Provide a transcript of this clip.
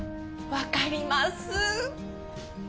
わかります！